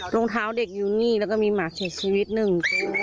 รองเท้าเด็กอยู่นี่แล้วก็มีหมาเสียชีวิตหนึ่ง